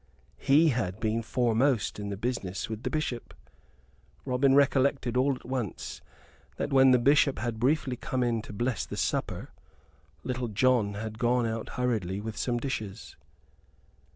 He had been foremost in the business with the Bishop. Robin recollected, all at once, that when the Bishop had briefly come in to bless the supper, Little John had gone out hurriedly with some dishes.